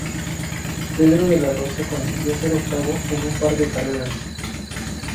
Pedro de la Rosa consiguió ser octavo en un par de carreras.